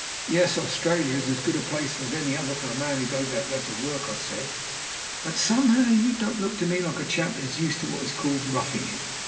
"Yes, Australia's as good a place as any other for the man who goes out there to work," I said. "But somehow you don't look to me like a chap that is used to what is called roughing it.